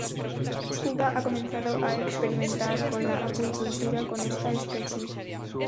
Cuba ha comenzado a experimentar con la acuicultura con esta especie.